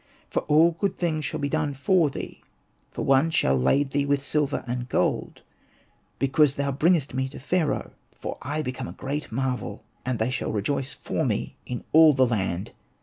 For all good things shall be done for thee ; for one shall lade thee with silver and gold, because thou bringest me to Pharaoh, for I become a great marvel, and they shall rejoice for me in all the land.